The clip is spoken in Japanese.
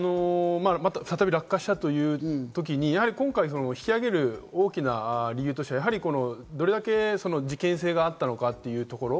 再び落下したというときに、今回、引き揚げる大きな理由としてはどれだけ事件性があったのかというところ。